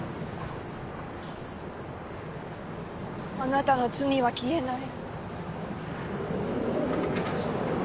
あなたの罪は消えない。